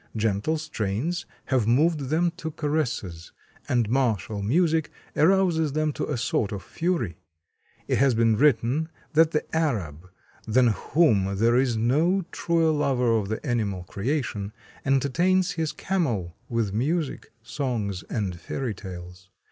Gentle strains have moved them to caresses, and martial music arouses them to a sort of fury. It has been written that the Arab, than whom there is no truer lover of the animal creation, entertains his camel with music, songs and fairy tales.